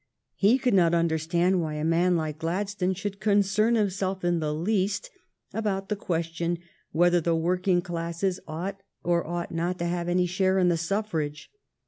He could not understand why a man like Gladstone should concern himself in the least about the question whether the working classes ought or ought not to have any share in the suffrage.